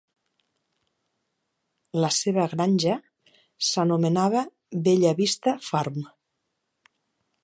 La seva granja s'anomenava 'Bella Vista Farm'.